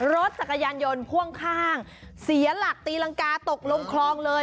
รถจักรยานยนต์พ่วงข้างเสียหลักตีรังกาตกลงคลองเลย